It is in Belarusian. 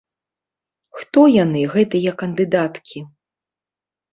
Хто яны, гэтыя кандыдаткі?